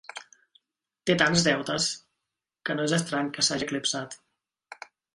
Té tants deutes, que no és estrany que s'hagi eclipsat!